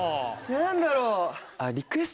何だろう？